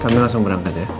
kamu langsung berangkat ya